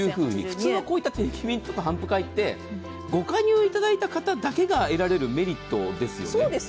普通はこういった定期便とか頒布会はご加入いただいた方だけが得られるメリットですよね。